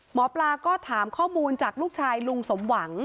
หมอปลาก็ถามข้อมูลจากลูกชายลุงสมหวัง